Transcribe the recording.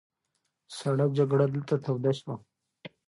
سړه جګړه دلته توده شوه.